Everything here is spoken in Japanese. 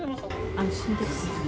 安心です。